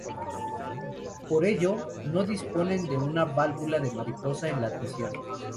Por ello no disponen de una válvula de mariposa en la admisión.